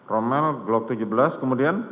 romel glock tujuh belas kemudian